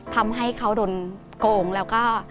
ทำให้เขาโดนโกงแล้วก็